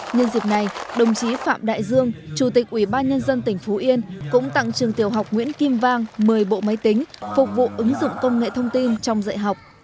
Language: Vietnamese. nhân dịp này đồng chí phạm đại dương chủ tịch ủy ban nhân dân tỉnh phú yên cũng tặng trường tiểu học nguyễn kim vang một mươi bộ máy tính phục vụ ứng dụng công nghệ thông tin trong dạy học